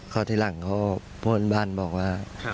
ก็ทีหลังพวกบ้านบอกว่า